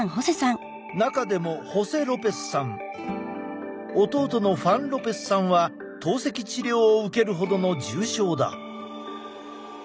中でもホセ・ロペスさん弟のファン・ロペスさんは透析治療を受けるほどの重症だ。